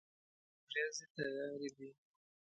ورېځې تیارې دي